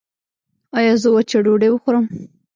ایا زه وچه ډوډۍ وخورم؟